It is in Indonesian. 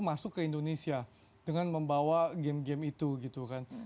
masuk ke indonesia dengan membawa game game itu gitu kan